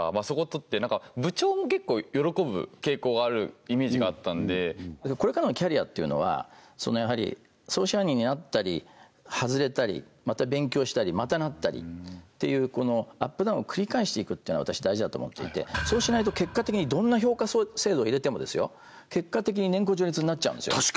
そこは部長も結構喜ぶ傾向があるイメージがあったんでこれからのキャリアっていうのは総支配人になったり外れたりまた勉強したりまたなったりっていうアップダウンを繰り返していくというのが私は大事だと思っていてそうしないと結果的にどんな評価制度を入れても結果的に年功序列になっちゃうんですよ